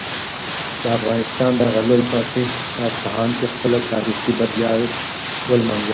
د افغانستان دغه لوی فاتح په اصفهان کې خپله تاریخي بریا ولمانځله.